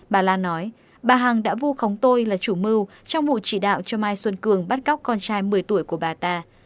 bà lan nói bà hằng đã vu khống tôi là chủ mưu trong vụ chỉ đạo cho mai xuân cường bắt cóc con trai một mươi tuổi của bà ta